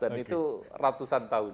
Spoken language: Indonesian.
dan itu ratusan tahun